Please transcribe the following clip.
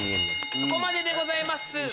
そこまででございます。